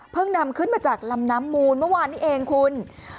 นำขึ้นมาจากลำน้ำมูลเมื่อวานนี้เองคุณ